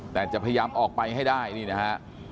แต่จะพยายามออกไปให้ได้นี่นะฮะ